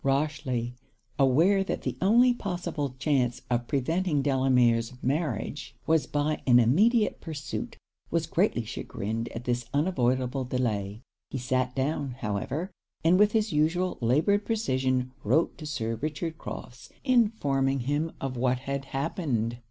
Rochely, aware that the only possible chance of preventing Delamere's marriage was by an immediate pursuit, was greatly chagrined at this unavoidable delay. He sat down, however, and with his usual laboured precision wrote to Sir Richard Crofts, informing him of what had happened.